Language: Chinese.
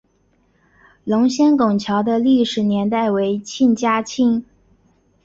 龙仙拱桥的历史年代为清嘉庆。